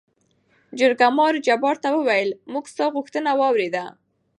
جرګمارو جبار ته ووېل: موږ ستا غوښتنه وارېده.